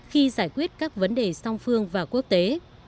khi giải quyết các vấn đề song phương và quốc tế